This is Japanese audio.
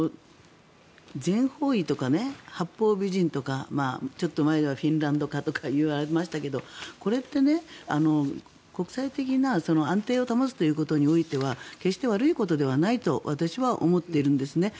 全方位とか八方美人とかちょっと前にはフィンランド化と言われましたがこれって国際的な安定を保つということにおいては決して悪いことではないと私は思っているんですね。